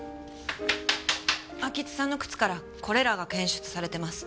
安芸津さんの靴からこれらが検出されてます。